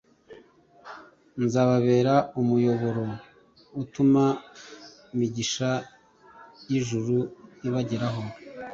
nzababera umuyoboro utuma imigisha y’ijuru ibageraho